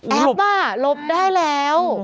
แอปต้อลบได้แล้ว